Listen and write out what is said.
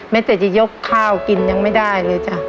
จะยกข้าวกินยังไม่ได้เลยจ้ะ